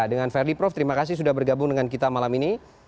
dengan verdi prof terima kasih sudah bergabung dengan kita malam ini